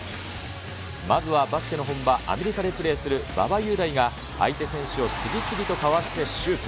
まずはバスケの本場、アメリカでプレーする馬場雄大が、相手選手を次々とかわしてシュート。